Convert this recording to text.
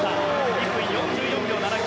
１分４４秒７９。